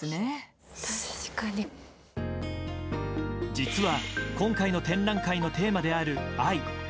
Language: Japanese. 実は、今回の展覧会のテーマである「愛」。